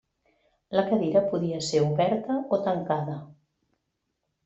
La cadira podia ser oberta o tancada.